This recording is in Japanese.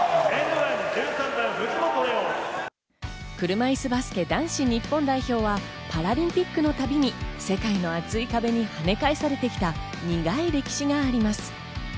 車いすバスケ男子日本代表はパラリンピックの度に世界の厚い壁に跳ね返されてきた苦い歴史があります。